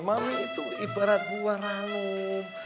mami itu ibarat buah ranum